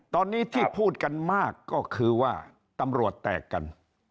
ตอนนี้ที่พูดกันมากก็คือว่าตำรวจแตกกัน